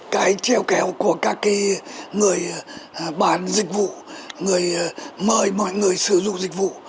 cái treo kéo của các người bán dịch vụ người mời mọi người sử dụng dịch vụ